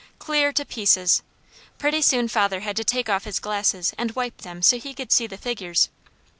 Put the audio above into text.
Clear to pieces! Pretty soon father had to take off his glasses and wipe them so he could see the figures.